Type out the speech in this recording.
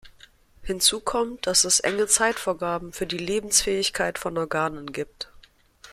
Hinzu kommt, dass es enge Zeitvorgaben für die Lebensfähigkeit von Organen gibt.